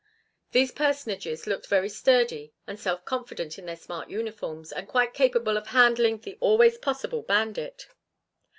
These personages looked very sturdy and self confident in their smart uniforms, and quite capable of handling the always possible bandit.